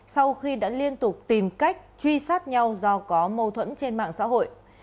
sau khi đã liên tục tìm cách truy sát nhau do có mâu thuẫn trên mạng xã hội